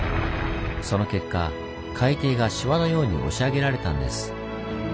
その結果海底がシワのように押し上げられたんです。